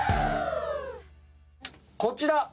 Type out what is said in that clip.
こちら！